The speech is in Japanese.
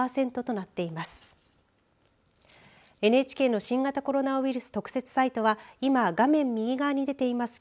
ＮＨＫの新型コロナウイルス特設サイトは今、画面右側に出ています